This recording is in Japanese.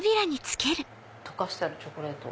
溶かしてあるチョコレート。